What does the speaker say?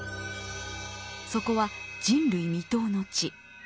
そこは人類未踏の地。